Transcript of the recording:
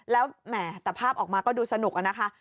แต่ภาพออกมาก็ดูสนุกอะนะคะ